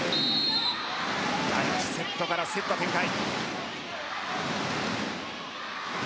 第１セットから競った展開。